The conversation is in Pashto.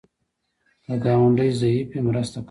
که ګاونډی ضعیف وي، مرسته کوه